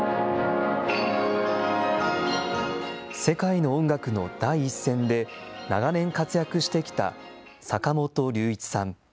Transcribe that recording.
世界の音楽の第一線で長年活躍してきた坂本龍一さん。